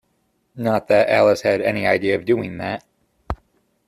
Not that Alice had any idea of doing that.